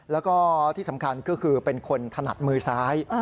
แล้วก็ที่สำคัญก็คือเป็นคนถนัดมือซ้าย